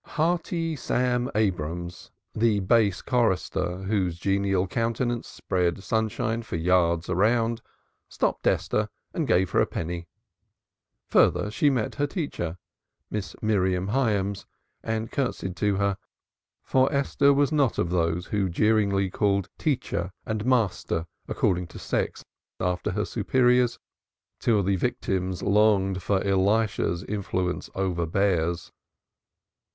Hearty Sam Abrahams, the bass chorister, whose genial countenance spread sunshine for yards around, stopped Esther and gave her a penny. Further, she met her teacher, Miss Miriam Hyams, and curtseyed to her, for Esther was not of those who jeeringly called "teacher" and "master" according to sex after her superiors, till the victims longed for Elisha's influence over bears.